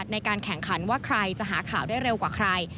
ในการแข่งขันว่าใครจะหาข่าวได้เร็วกว่าใคร